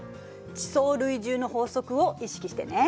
「地層累重の法則」を意識してね。